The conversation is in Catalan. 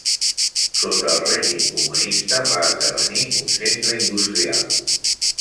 Sota el règim comunista va esdevenir un centre industrial.